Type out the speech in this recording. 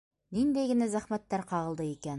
Ниндәй генә зәхмәттәр ҡағылды икән?